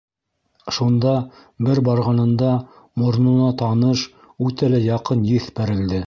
Шунда бер барғанында моронона таныш, үтә лә яҡын еҫ бәрелде.